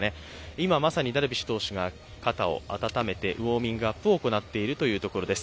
今まさにダルビッシュ投手が方を温めてウォーミッグアップを行っているところです。